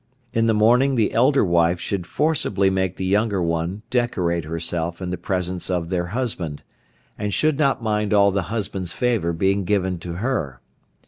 In the morning the elder wife should forcibly make the younger one decorate herself in the presence of their husband, and should not mind all the husband's favour being given to her.